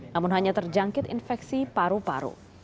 namun hanya terjangkit infeksi paru paru